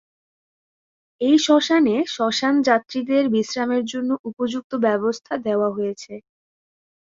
এই শ্মশানে শ্মশান যাত্রীদের বিশ্রামের জন্য উপযুক্ত ব্যবস্থা দেওয়া হয়েছে।